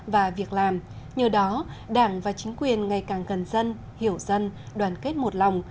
và việc làm nhờ đó đảng và chính quyền ngày càng gần dân hiểu dân đoàn kết một lòng